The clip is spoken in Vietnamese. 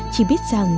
chỉ biết rằng